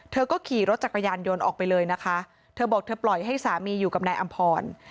เธอก็ขี่รถจักรยานยนต์ออกไปเลยนะคะเธอบอกเธอปล่อยให้สามีอยู่กับนายอำพร